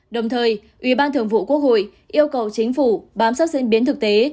đồng thời ủy ban thường vụ quốc hội yêu cầu chính phủ bám sát diễn biến thực tế